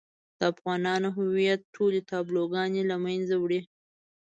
د افغان هويت ټولې تابلوګانې له منځه يوړې.